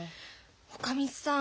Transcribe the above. おかみさん